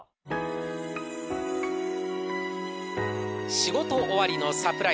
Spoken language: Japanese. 仕事終わりのサプライズ。